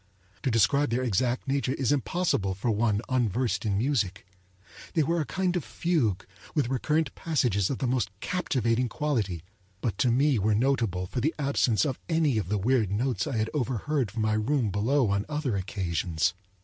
To describe their exact nature is impossible for one unversed in music. They were a kind of fugue, with recurrent passages of the most captivating quality, but to me were notable for the absence of any of the weird notes I had overheard from my room below on other occasions.